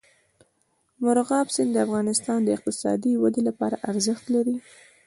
مورغاب سیند د افغانستان د اقتصادي ودې لپاره ارزښت لري.